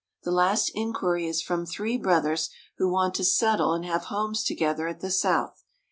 The last inquiry is from three brothers, who want to settle and have homes together at the South.